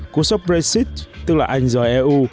cú sốc brexit tức là anh giỏi eu